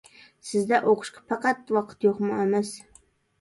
سىزدە ئوقۇشقا پەقەت ۋاقىت يوقمۇ ئەمەس.